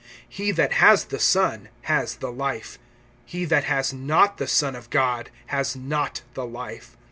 (12)He that has the Son has the life; he that has not the Son of God has not the life.